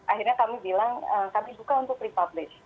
akhirnya kami bilang kami buka untuk republish